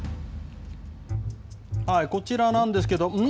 こちらなんですけど、ん？